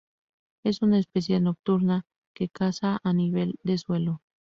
Es una especie nocturna, que caza a nivel de suelo.